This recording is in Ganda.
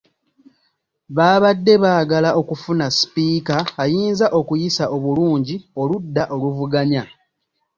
Baabadde baagala okufuna sipiika ayinza okuyisa obulungi oludda oluvuganya .